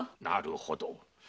なるほど。